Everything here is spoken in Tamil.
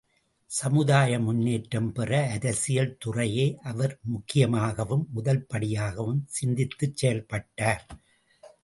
சமுதாய முன்னேற்றம் பெற அரசியல் துறையையே அவர் முக்கியமாகவும், முதல் படியாகவும் சிந்தித்துச் செயல்பட்டார்.